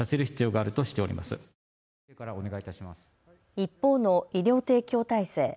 一方の医療提供体制。